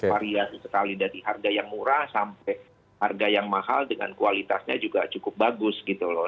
variasi sekali dari harga yang murah sampai harga yang mahal dengan kualitasnya juga cukup bagus gitu loh